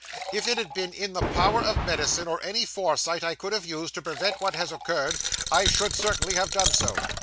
If it had been in the power of medicine, or any foresight I could have used, to prevent what has occurred, I should certainly have done so.